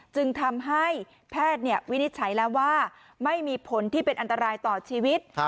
จึงทำให้แพทย์วินิจฉัยแล้วว่าไม่มีผลที่เป็นอันตรายต่อชีวิต